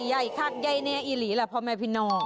ใหญ่ครักเย่นแน่อิหรี่แหละพอไหมพี่น้อง